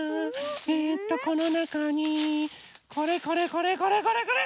えとこのなかにこれこれこれこれこれこれ！